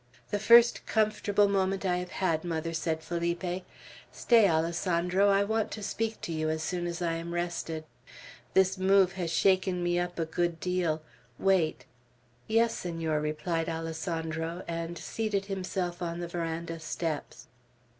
"The first comfortable moment I have had, mother," said Felipe. "Stay, Alessandro, I want to speak to you as soon as I am rested. This move has shaken me up a good deal. Wait." "Yes, Senor," replied Alessandro, and seated himself on the veranda steps.